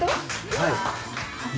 はい。